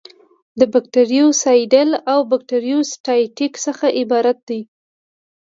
له بکټریوسایډل او بکټریوسټاټیک څخه عبارت دي.